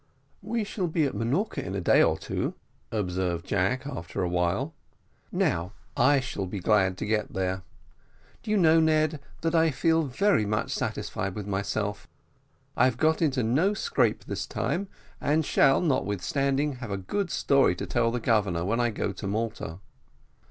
"We shall be at Minorca in a day or two," observed Jack, after a while; "now I shall be glad to get there. Do you know, Ned, that I feel very much satisfied with myself; I have got into no scrape this time, and I shall, notwithstanding, have a good story to tell the Governor when I go to Malta."